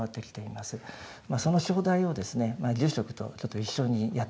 まあその唱題をですね住職とちょっと一緒にやってみたいと思います。